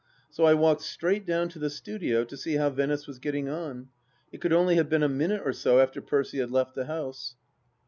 So I walked straight down to the studio to see how Venice was getting on. It could only have been a minute or so after Percy had left the house.